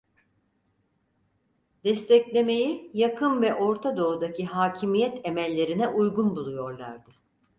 Desteklemeyi, Yakın ve Orta Doğudaki hakimiyet emellerine uygun buluyorlardı.